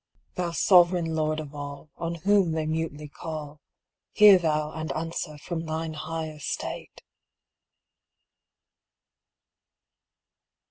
Thou Sovereign Lord of All, On whom they mutely call, Hear Thou and answer from thine high estate